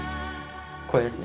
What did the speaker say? これですね。